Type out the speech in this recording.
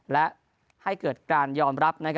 และให้เกิดการยอมรับ